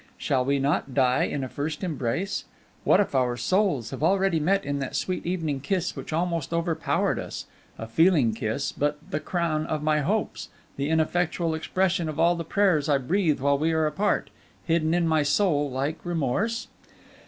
Shall we not die in a first embrace? What if our souls have already met in that sweet evening kiss which almost overpowered us a feeling kiss, but the crown of my hopes, the ineffectual expression of all the prayers I breathe while we are apart, hidden in my soul like remorse?